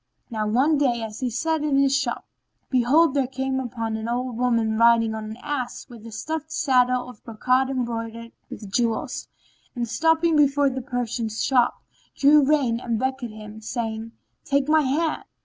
Now, one day as he sat in his shop, behold, there came up an old woman riding on an ass with a stuffed saddle of brocade embroidered with jewels; and, stopping before the Persian's shop, drew rein and beckoned him, saying, "Take my hand."